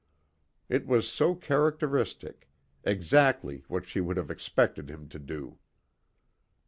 It was so characteristic; exactly what she would have expected him to do.